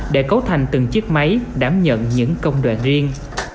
để cấu thành từng chiếc máy đảm nhận những công đoạn riêng